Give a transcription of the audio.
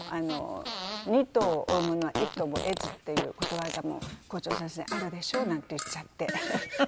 「二兎を追うものは一兎をも得ず」っていうことわざも校長先生に「あるでしょ？」なんて言っちゃって。